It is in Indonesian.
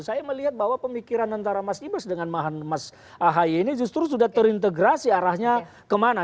saya melihat bahwa pemikiran antara mas ibas dengan mas ahaye ini justru sudah terintegrasi arahnya kemana